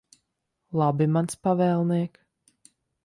Labi, mans pavēlniek.